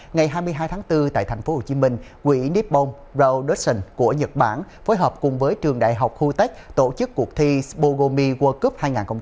ngày hai mươi hai tháng bốn tại tp hcm quỹ nippon productions của nhật bản phối hợp cùng với trường đại học hutech tổ chức cuộc thi spogomi world cup hai nghìn hai mươi ba